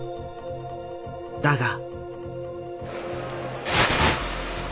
だが。